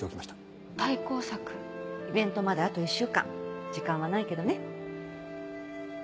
イベントまであと１週間時間はないけどね。